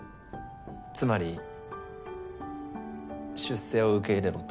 つまり出世を受け入れろと？